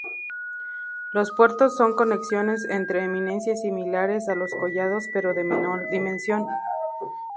Los puertos son conexiones entre eminencias similares a los collados pero de menor dimensión.